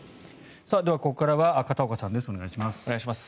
では、ここからは片岡さんですお願いします。